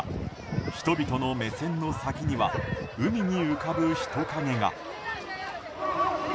人々の目線の先には海に浮かぶ人影が。